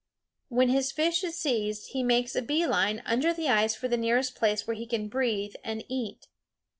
When his fish is seized he makes a bee line under the ice for the nearest place where he can breathe and eat.